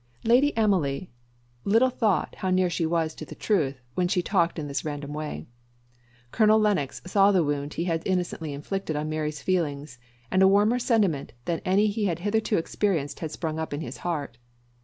Lady Emily little thought how near she was the the truth when she talked in this random way. Colonel Lennox saw the wound he had innocently inflicted on Mary's feelings, and a warmer sentiment than any he had hitherto experienced had sprung up in his heart.